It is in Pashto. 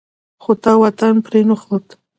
خو تا وطن پرې نه ښود.